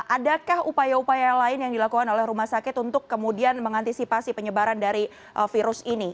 adakah upaya upaya lain yang dilakukan oleh rumah sakit untuk kemudian mengantisipasi penyebaran dari virus ini